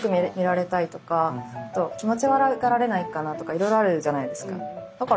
いろいろあるじゃないですか。